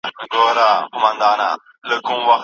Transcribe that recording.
په عادي بازار کي مه تېر وځه.